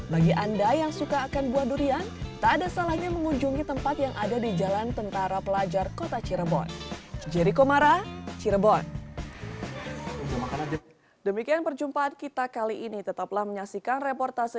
bagi anda yang suka akan buah durian tak ada salahnya mengunjungi tempat yang ada di jalan tentara pelajar kota cirebon